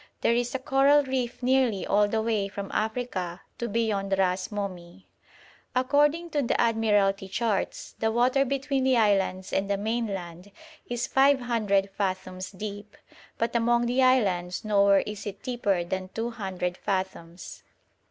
There is a coral reef nearly all the way from Africa to beyond Ras Momi. According to the Admiralty charts the water between the islands and the mainland is 500 fathoms deep, but among the islands nowhere is it deeper than 200 fathoms.